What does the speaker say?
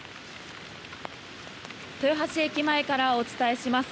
豊橋駅前からお伝えします。